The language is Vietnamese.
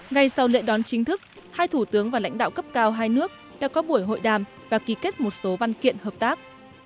ngay sau lễ đón chính thức hai thủ tướng và lãnh đạo cấp cao hai nước đã có buổi hội đàm và ký kết một số văn kiện hợp tác